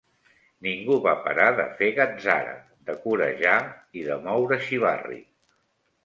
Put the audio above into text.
Ningú va parar de fer gatzara, de corejar i de moure xivarri.